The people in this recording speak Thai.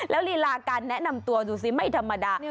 แล้วลีลาการแนะนำตัวดูสิไม่ธรรมดา